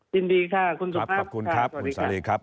ยินดีค่ะคุณสุภาพ